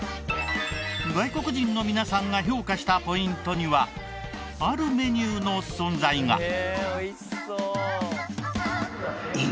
外国人の皆さんが評価したポイントにはあるメニューの存在が。